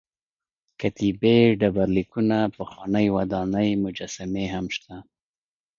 کتیبې ډبر لیکونه پخوانۍ ودانۍ مجسمې هم شته.